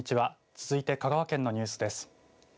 続いて香川県のニュースです。